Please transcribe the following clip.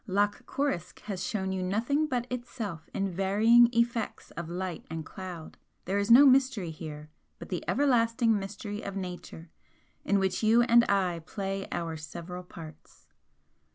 Loch Coruisk has shown you nothing but itself in varying effects of light and cloud there is no mystery here but the everlasting mystery of Nature in which you and I play our several parts.